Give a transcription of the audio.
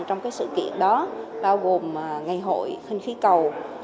học động trong sự kiện đó bao gồm ngày hội khinh khí cầu